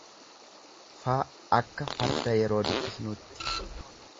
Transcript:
f akka farda yeroo dubbisnuutti.